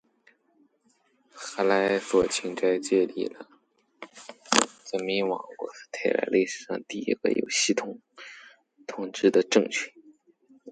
荷兰所侵占建立的殖民王国，是台湾历史上第一个有系统统治的政权。